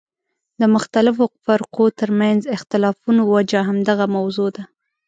د مختلفو فرقو ترمنځ اختلافونو وجه همدغه موضوع ده.